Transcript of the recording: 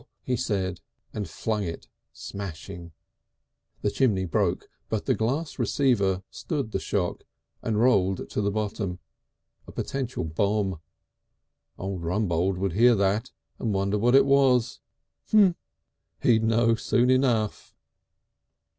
he said and flung it smashing. The chimney broke, but the glass receiver stood the shock and rolled to the bottom, a potential bomb. Old Rumbold would hear that and wonder what it was!... He'd know soon enough!